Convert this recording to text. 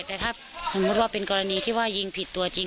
แต่ถ้าสมมุติว่าเป็นกรณีที่ว่ายิงผิดตัวจริง